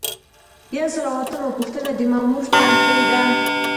یو سل او اتمه پوښتنه د مامور ترفیع ده.